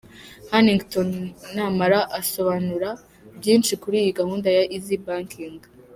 Hannington Namara asobanura byinshi kuri iyi gahunda ya Eazzy Banking.